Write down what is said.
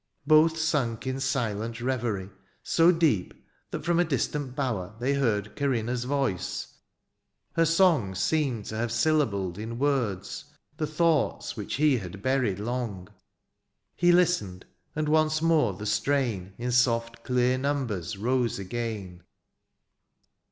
Both sunk m silent reverie^ So deep^ that from a distant bower^ They heard Corinna's voice — ^her song Seemed to have syllabled in words The thoughts which he had buried long : He listened^ and once more the strain In soft clear numbers rose again.